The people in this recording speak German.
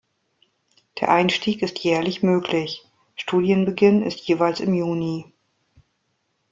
Der Einstieg ist jährlich möglich, Studienbeginn ist jeweils im Juni.